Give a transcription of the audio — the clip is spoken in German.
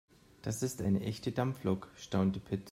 Das ist eine echte Dampflok, staunte Pit.